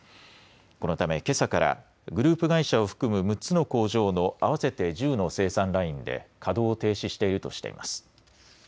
このためけさからグループ会社を含む６つの工場の合わせて１０の生産ラインで稼働を停止しているとしています。